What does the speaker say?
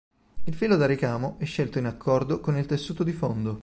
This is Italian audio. Il filo da ricamo è scelto in accordo con il tessuto di fondo.